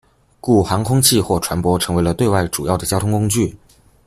故航空器或船舶成为了对外主要的交通工具。